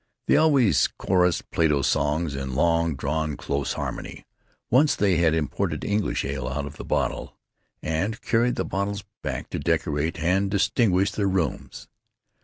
They always chorused Plato songs, in long drawn close harmony. Once they had imported English ale, out of bottles, and carried the bottles back to decorate and distinguish their rooms.